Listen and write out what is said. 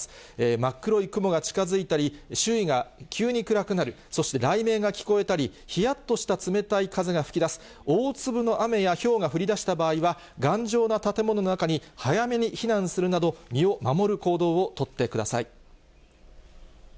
真っ黒い雲が近づいたり、周囲が急に暗くなる、そして雷鳴が聞こえたり、ひやっとした冷たい風が吹き出す、大粒の雨やひょうが降りだした場合は、頑丈な建物の中に早めに避難するなど、身を守る行動を取ってください。